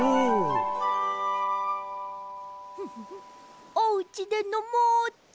フフフおうちでのもうっと！